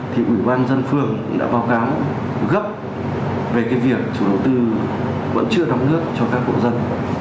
thì ủy ban nhân phường đã báo cáo gấp về việc chủ đầu tư vẫn chưa đóng nước cho các cư dân